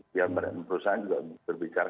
biar perusahaan juga berbicara